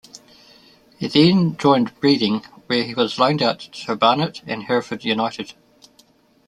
He then joined Reading, where he was loaned out to Barnet and Hereford United.